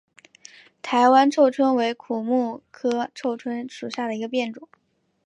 台湾臭椿为苦木科臭椿属下的一个变种。